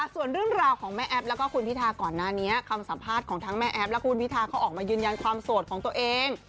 ส่วนเรื่องราวของแม่แอฟแล้วก็คุณพิธาก่อนหน้านี้คำสัมภาษณ์ของทั้งแม่แอฟและคุณพิธาเขาออกมายืนยันความโสดของตัวเอง